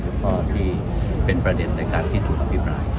แล้วก็ที่เป็นประเด็นในการที่ถูกอภิปราย